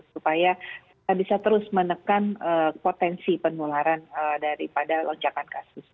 supaya kita bisa terus menekan potensi penularan daripada lonjakan kasus